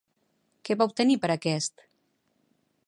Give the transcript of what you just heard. Què va obtenir per a aquest?